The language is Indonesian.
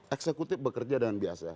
eksekutif bekerja dengan biasa